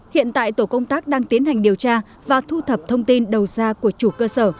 hiện tại tổ công tác đang tiến hành điều tra và thu thập thông tin đầu ra của chủ cơ sở